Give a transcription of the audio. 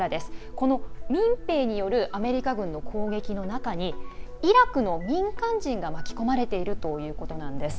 この民兵によるアメリカ軍の攻撃の中にイラクの民間人が巻き込まれているということなんです。